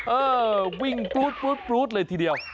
เออวิ่งปรู๊ดเลยทีเดียว